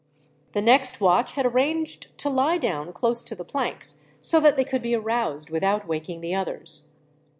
The next watch had arranged to lie down close to the planks, so that they could be aroused without waking the others.